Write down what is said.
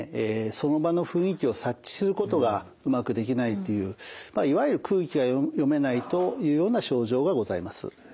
その場の雰囲気を察知することがうまくできないというまあいわゆる空気が読めないというような症状がございます。